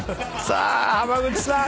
さあ濱口さん。